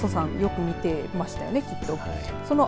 よく見てましたよねきっと。